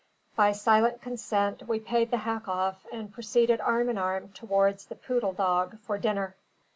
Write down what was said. By silent consent, we paid the hack off, and proceeded arm in arm towards the Poodle Dog for dinner.